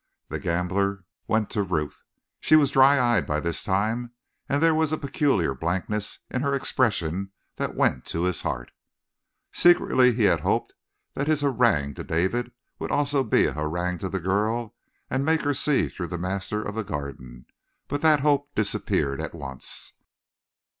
The gambler went to Ruth. She was dry eyed by this time, and there was a peculiar blankness in her expression that went to his heart. Secretly he had hoped that his harangue to David would also be a harangue to the girl and make her see through the master of the Garden; but that hope disappeared at once.